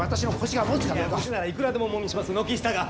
腰ならいくらでもおもみします軒下が。